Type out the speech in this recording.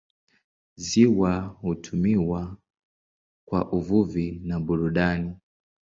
Ziwa hutumiwa kwa uvuvi na burudani.